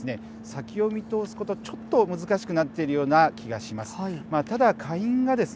先を見通すこと、ちょっと難しくなっているような気がします。